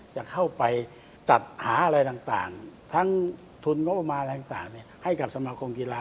จะเข้าไปจัดหาอะไรต่างทั้งทุนงบประมาณอะไรต่างให้กับสมาคมกีฬา